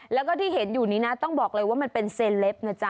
แล้วก็ที่เห็นอยู่นี้นะต้องบอกเลยว่ามันเป็นเซลปนะจ๊